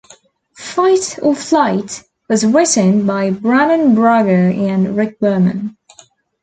"Fight or Flight" was written by Brannon Braga and Rick Berman.